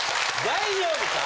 大丈夫か？